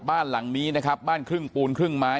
บ้านหลังนี้นะครับบ้านครึ่งปูนครึ่งไม้